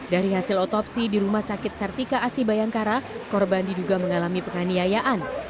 dari hasil otopsi di rumah sakit sertika asi bayangkara korban diduga mengalami penganiayaan